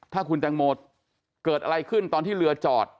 ถ้าคุณแตงโมเกิดอะไรขึ้นตอนที่เรือจอด